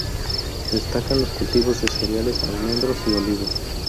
Destacan los cultivos de cereales, almendros y olivos.